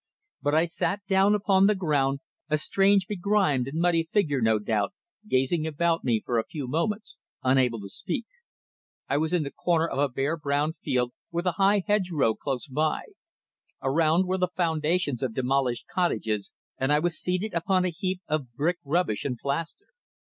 But I sat down upon the ground, a strange, begrimed and muddy figure, no doubt, gazing about me for a few moments unable to speak. I was in the corner of a bare, brown field, with a high hedgerow close by. Around were the foundations of demolished cottages, and I was seated upon a heap of brick rubbish and plaster.